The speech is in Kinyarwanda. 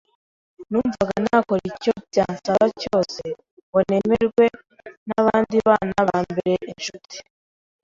Numvaga nakora icyo byansaba cyose ngo nemerwe n’abandi bana bambere incuti.